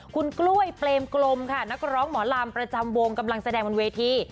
คุณกล้วยเปรมกลมค่ะนักร้องหมอลำประจำวงกำลังแสดงบนเวที